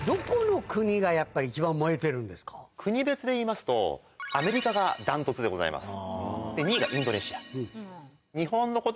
国別でいいますとアメリカが断トツでございます。